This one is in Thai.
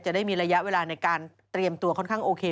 ได้มีระยะเวลาในการเตรียมตัวค่อนข้างโอเค